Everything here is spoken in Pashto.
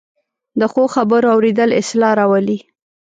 د ښو خبرو اورېدل اصلاح راولي